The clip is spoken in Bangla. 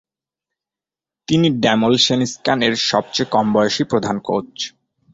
তিনি ড্যামলসেনস্কান-এর সবচেয়ে কমবয়সী প্রধান কোচ।